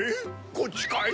こっちかい？